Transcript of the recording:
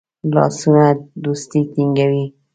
لاسونه دوستی ټینګوي